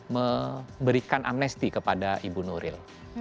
memberikan amnesti kepada ibu nuril